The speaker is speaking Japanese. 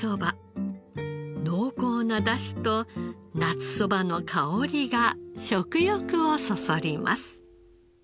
濃厚なダシと夏そばの香りが食欲をそそります。